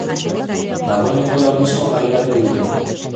Dagoeneko lau disko kaleratu ditu.